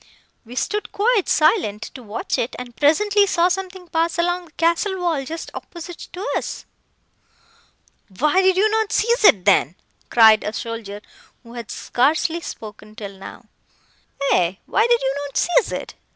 We stood quite silent, to watch it, and presently saw something pass along the castle wall just opposite to us!" "Why did you not seize it, then?" cried a soldier, who had scarcely spoken till now. "Aye, why did you not seize it?"